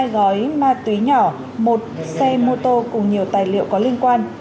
hai gói ma túy nhỏ một xe mô tô cùng nhiều tài liệu có liên quan